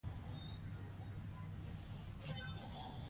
باید دا روح ژوندۍ وساتو.